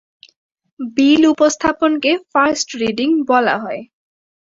বিল উপস্থাপনকে first reading বলা হয়।